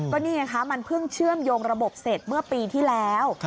ก็นี่ไงคะมันเพิ่งเชื่อมโยงระบบเสร็จเมื่อปีที่แล้ว